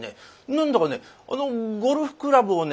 何だかねゴルフクラブをね